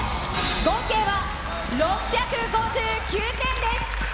合計は６５９点です。